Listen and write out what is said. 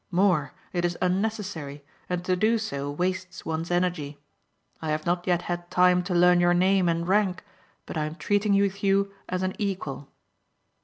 More, it is unnecessary and to do so wastes one's energy. I have not yet had time to learn your name and rank but I am treating with you as an equal."